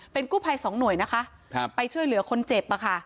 เป็นกู้ภัยสองหน่วยนะคะไปช่วยเหลือคนเจ็บ